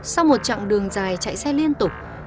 sau một chặng đường dài chạy xe liên tục